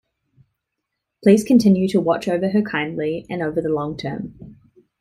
Please continue to watch over her kindly and over the long term.